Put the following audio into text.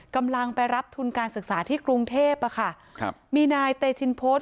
กำลังไปรับทุนการศึกษาที่กรุงเทพมีนายเต้ชินโภษ